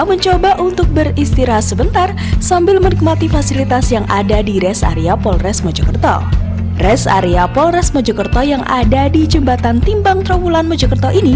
pemudik yang akan pulang kampung